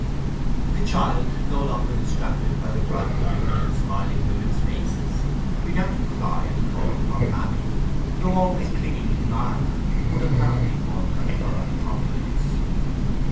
The child, no longer distracted by the bright light and the smiling women's faces, began to cry and call for "mammy", though always clinging to Marner, who had apparently won her thorough confidence.